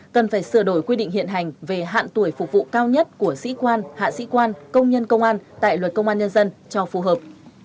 cần phải sửa đổi quy định hiện hành về hạn tuổi phục vụ cao nhất của sĩ quan hạ sĩ quan công nhân công an tại luật công an nhân dân cho phù hợp